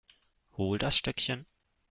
Hol das Stöckchen.